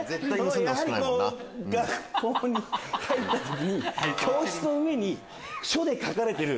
やはり学校に入った時に教室の上に書で書かれてる。